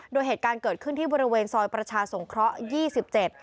โดยเหตุการณ์เกิดขึ้นที่บริเวณซอยประชาสงเคราะห์๒๗